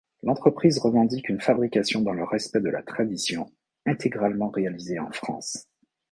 L’entreprise revendique une fabrication dans le respect de la tradition, intégralement réalisée en France.